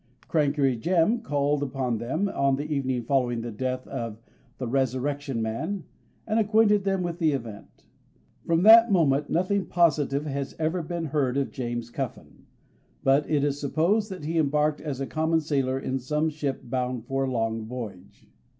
Crankey Jem called upon them on the evening following the death of the Resurrection Man, and acquainted them with the event. From that moment nothing positive has ever been heard of James Cuffin; but it is supposed that he embarked as a common sailor in some ship bound for a long voyage.